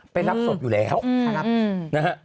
รับศพอยู่แล้วนะฮะ